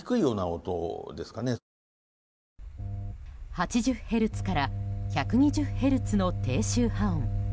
８０ヘルツから１２０ヘルツの低周波音。